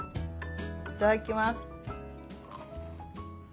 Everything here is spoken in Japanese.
いただきます。